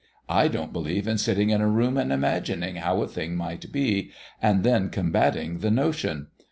I don't believe in sitting in a room and imagining how a thing might be, and then combating the notion.